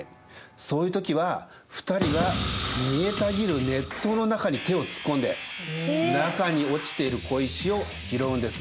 そういう時は２人は煮えたぎる熱湯の中に手を突っ込んで中に落ちている小石を拾うんです。